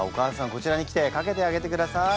こちらに来てかけてあげてください。